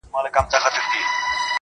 لکه ملنگ چي د پاچا تصوير په خوب وويني_